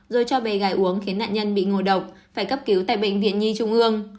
rồi cho bé gái uống khiến nạn nhân bị ngộ độc phải cấp cứu tại bệnh viện nhi trung ương